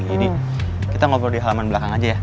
jadi kita ngobrol di halaman belakang aja ya